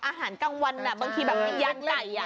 อาหารกลางวันบางทีแบบวิญญาณไก่